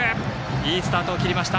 いいスタートを切りました。